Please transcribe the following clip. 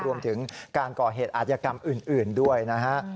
รวมถึงการก่อเหตุอาจยกรรมอื่นด้วยนะฮะ